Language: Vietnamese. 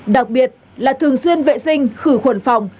đặc biệt là thường xuyên vệ sinh khử khuẩn phòng